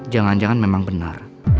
jangan jangan memang benar